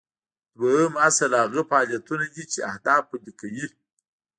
دوهم اصل هغه فعالیتونه دي چې اهداف پلي کوي.